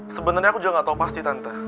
sebenernya aku juga nggak tahu pasti tante